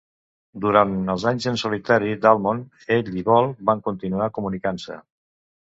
Durant els anys en solitari d'Almond, ell i Bol van continuar comunicant-se.